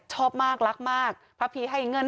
ชอบมากรักมากพระพีให้เงิน